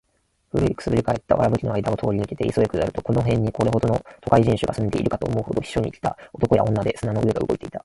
古い燻（くす）ぶり返った藁葺（わらぶき）の間あいだを通り抜けて磯（いそ）へ下りると、この辺にこれほどの都会人種が住んでいるかと思うほど、避暑に来た男や女で砂の上が動いていた。